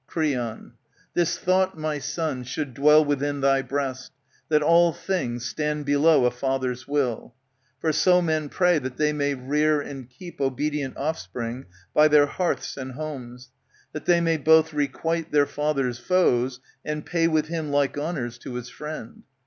Creon, This thought, my son, should dwell within thy breast, That all things stand below a father's will ;•^^ For so men pray that they may rear and keep Obedient offspring by their hearths and homes, That they may both requite their father's foes, And pay with him like honours to his friend.